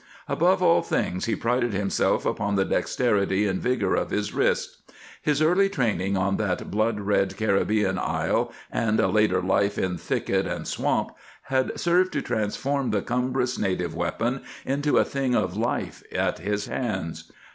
Above all things, he prided himself upon the dexterity and vigor of his wrist. His early training on that blood red Caribbean isle, and a later life in thicket and swamp, had served to transform the cumbrous native weapon into a thing of life at his hands.